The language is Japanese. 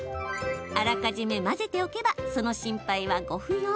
あらかじめ混ぜておけばその心配は、ご不要。